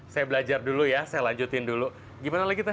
saya belajar dulu ya saya lanjutin dulu gimana lagi teh